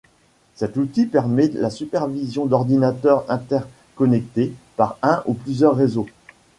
Cet outil permet la supervision d’ordinateurs interconnectés par un ou plusieurs réseaux.